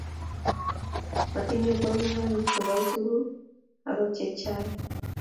Motinye kwony imanit koboi tuguk agot che chachi